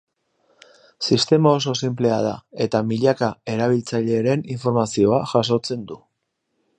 Sistema oso sinplea da eta milaka erabiltzaileren informazioa jasotzen du.